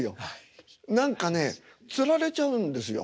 何かねつられちゃうんですよ